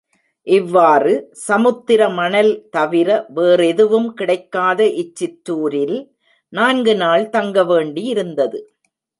இவ்வாறு சமுத்திர மணல் தவிர வேறெதுவும் கிடைக்காத இச்சிற்றூரில் நான்கு நாள் தங்க வேண்டியிருந்தது.